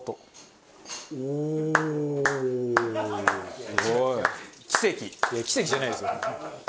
すごい！いや奇跡じゃないですよ！